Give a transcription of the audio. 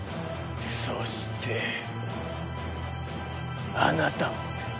そしてあなたも。